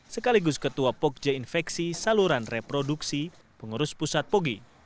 sekaligus ketua pogja infeksi saluran reproduksi pengurus pusat pogi